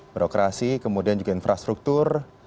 birokrasi kemudian juga infrastruktur